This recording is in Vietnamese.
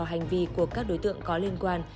hành vi của các đối tượng có liên quan